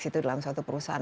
itu dalam suatu perusahaan